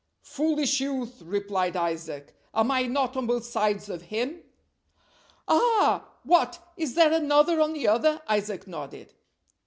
"Foolish youth," replied Isaac, "am I not on both sides of him!!" "Ah! What, is there another on the other?" Isaac nodded.